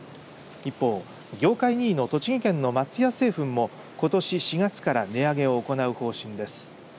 一方、業界２位の栃木県の松屋製粉もことし４月から値上げを行う方針です。